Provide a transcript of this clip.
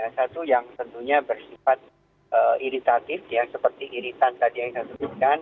satu yang tentunya bersifat iritatif ya seperti iritan tadi yang saya sebutkan